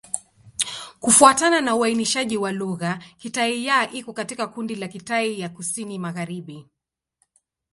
Kufuatana na uainishaji wa lugha, Kitai-Ya iko katika kundi la Kitai ya Kusini-Magharibi.